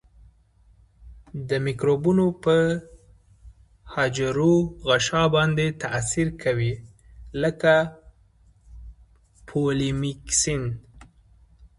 د مکروبونو په حجروي غشا باندې تاثیر کوي لکه پولیمیکسین.